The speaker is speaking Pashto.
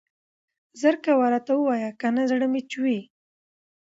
زر کوه راته ووايه کنه زړه مې چوي.